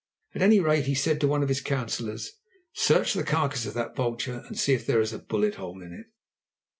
At any rate, he said to one of his councillors: "Search the carcase of that vulture and see if there is a bullet hole in it."